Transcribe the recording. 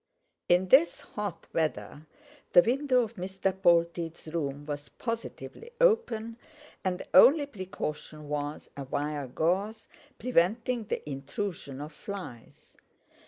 In this hot weather the window of Mr. Polteed's room was positively open, and the only precaution was a wire gauze, preventing the intrusion of flies.